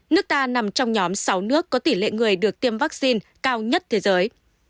nước ta nằm trong nhóm sáu nước có tỷ lệ người được tiêm vaccine cao nhất thế giới